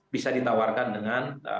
bisa ditawarkan dengan